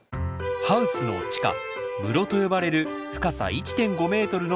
ハウスの地下「室」と呼ばれる深さ１．５ｍのスペースです。